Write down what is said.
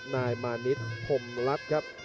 นายมานิดพรมรัฐครับ